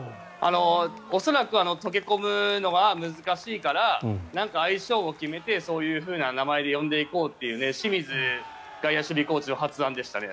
恐らく、溶け込むのは難しいからなんか愛称を決めてそういう名前で呼んでいこうという清水外野守備コーチの発案でしたね。